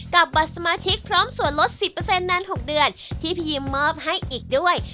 กับบัตรสมาชิกพร้อมส่วนลด๑๐นาน๖เดือนที่พี่ยิมมอบให้อีกด้วย